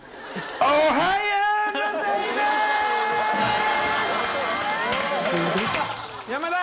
おはようございます‼山田！